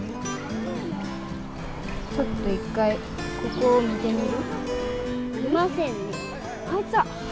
ちょっと一回ここを見てみる？